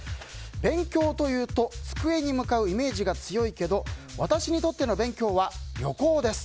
勉強というと机に向かうイメージが強いけど私にとっての勉強は旅行です。